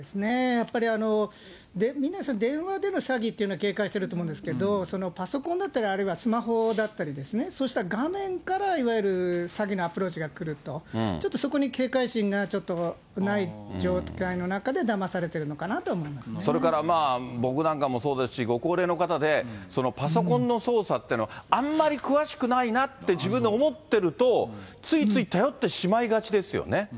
やっぱり、皆さん、電話での詐欺っていうのは警戒してると思うんですけど、パソコンだったり、あるいはスマホだったりですね、そうした画面からいわゆる詐欺のアプローチが来ると、ちょっとそこに警戒心が、ちょっとない状態の中で、それからまあ、僕なんかもそうですし、ご高齢の方なんかも、パソコンの操作ってのをあんまり詳しくないなって、自分で思ってると、ついつい頼ってしまいがちですよね。